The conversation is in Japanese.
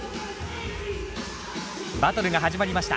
バトルが始まりました。